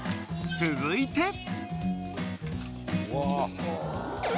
［続いて］